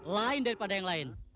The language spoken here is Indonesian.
lain daripada yang lain